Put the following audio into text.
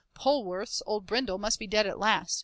Pollworth's old Brindle must be dead at last.